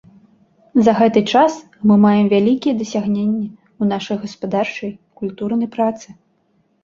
За гэты час мы маем вялікія дасягненні ў нашай гаспадарчай, культурнай працы.